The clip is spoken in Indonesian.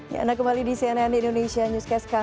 ya anda kembali di cnn indonesia newscast